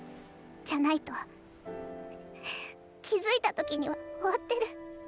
じゃないと気付いた時には終わってる。